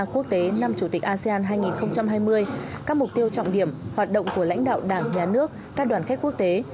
quốc tế năm chủ tịch asean hai nghìn hai mươi các mục tiêu trọng điểm hoạt động của lãnh đạo đảng nhà nước các đoàn khách quốc tế